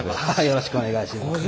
よろしくお願いします。